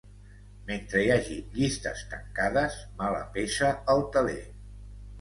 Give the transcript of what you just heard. Mentre hi hagi llistes tancades, mala peça al teler.